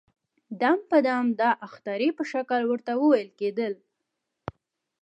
دم په دم د اخطارې په شکل ورته وويل کېدل.